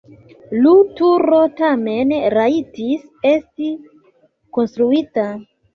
Lu turo tamen rajtis esti konstruita.